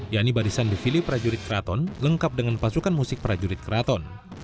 yakni barisan defili prajurit keraton lengkap dengan pasukan musik prajurit keraton